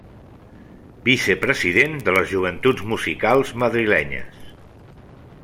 Vicepresident de les Joventuts Musicals madrilenyes.